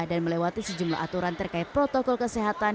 dan melewati sejumlah aturan terkait protokol kesehatan